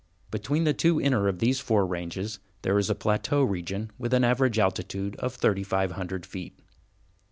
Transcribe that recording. Between the two inner of these four ranges, there is a plateau region with an average altitude of 3500 feet.